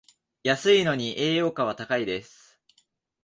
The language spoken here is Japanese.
安いのに栄養価は高いです